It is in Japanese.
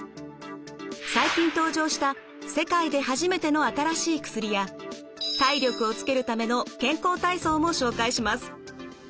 最近登場した世界で初めての新しい薬や体力をつけるための健康体操も紹介します。